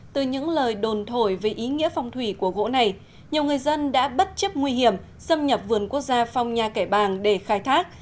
từ những lời đồn thổi về ý nghĩa phòng thủy của gỗ này nhiều người dân đã bất chấp nguy hiểm xâm nhập vườn quốc gia phong nha kẻ bàng để khai thác